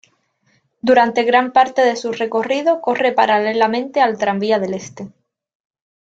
Durante gran parte de su recorrido, corre paralelamente al Tranvía del Este.